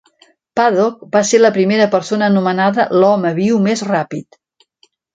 Paddock va ser la primera persona anomenada "l'home viu més ràpid".